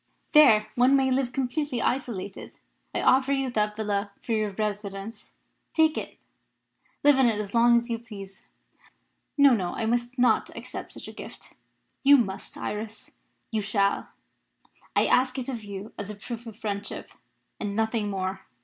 There one may live completely isolated. I offer you that villa for your residence. Take it; live in it as long as you please." "No, no. I must not accept such a gift." "You must, Iris you shall. I ask it of you as a proof of friendship, and nothing more.